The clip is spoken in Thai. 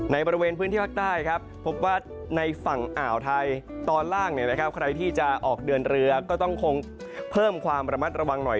บริเวณพื้นที่ภาคใต้ครับพบว่าในฝั่งอ่าวไทยตอนล่างใครที่จะออกเดินเรือก็ต้องคงเพิ่มความระมัดระวังหน่อย